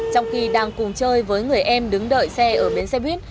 trong khi đang cùng chơi với người em đứng đợi xe ở bến xe buýt